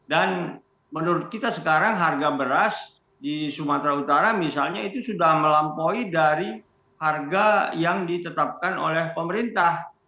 dan menurut kita sekarang harga beras di sumatera utara misalnya itu sudah melampaui dari harga yang ditetapkan oleh pemerintah